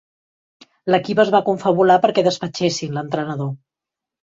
L'equip es va confabular perquè despatxessin l'entrenador.